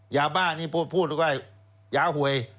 ยาบ้านี่พูดว่ายาหวย